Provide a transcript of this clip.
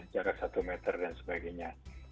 jarak satu meter dan sebagainya